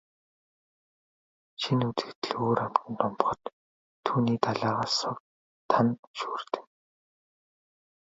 Шинэ үзэгдэл өөр амтанд умбахад түүний далайгаас сувд, тана шүүрдэнэ.